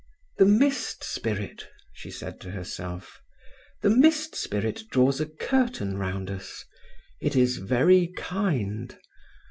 "The Mist Spirit," she said to herself. "The Mist Spirit draws a curtain round us—it is very kind.